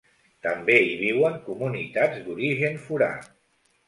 També hi viuen comunitats d’origen forà.